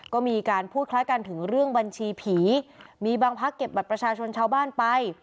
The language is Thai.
ก็มีการพูดคล้ายกันถึงเรื่องบัญชีผีมีบางพักเก็บบัตรประชาชนชาวบ้านไป